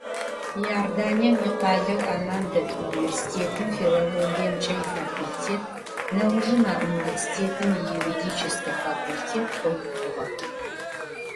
Иорданием икъалэу Амман дэт университетым филологиемкӏэ ифакультет, нэужым а университетым июридическэ факультет къыухыгъэх.